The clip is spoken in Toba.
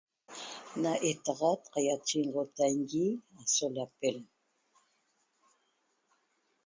Na etaxat qaiachexotangui aso lapel